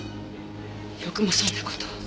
よくもそんな事を。